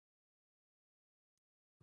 نو د خیال بدلولو پۀ غرض مې ورته اووې ـ